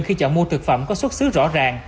khi chọn mua thực phẩm có xuất xứ rõ ràng